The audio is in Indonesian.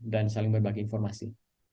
dan saling berbagi informasi